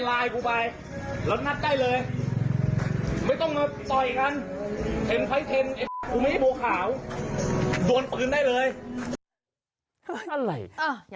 แล้วคราวหน้าไม่มีแล้วฮะ